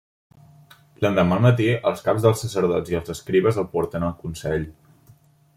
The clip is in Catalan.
L'endemà al matí els caps dels sacerdots i dels escribes el porten al consell.